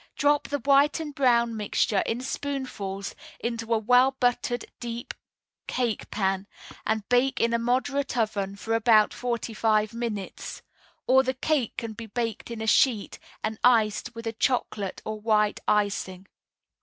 Drop the white and brown mixture in spoonfuls into a well buttered deep cake pan, and bake in a moderate oven for about forty five minutes; or, the cake can be baked in a sheet and iced with a chocolate or white icing.